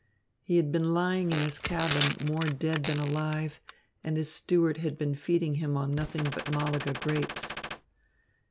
He had been lying in his cabin more dead than alive, and his steward had been feeding him on nothing but Malaga grapes.